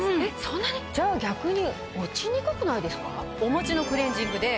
じゃあ逆に。